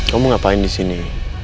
kamu ngapain disini